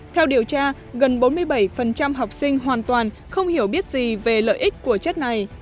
theo điều tra gần bốn mươi bảy học sinh hoàn toàn không hiểu biết gì về lợi ích của chất này